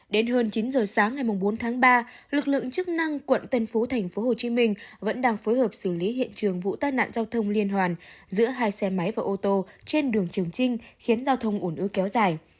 đến hơn chín giờ sáng ngày bốn tháng ba lực lượng chức năng quận tân phú tp hcm vẫn đang phối hợp xử lý hiện trường vụ tai nạn giao thông liên hoàn giữa hai xe máy và ô tô trên đường trường trinh khiến giao thông ổn ứ kéo dài